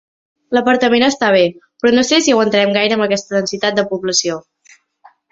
L'apartament està bé, però no sé si aguantarem gaire amb aquesta densitat de població.